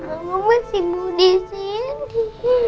aku masih mau disini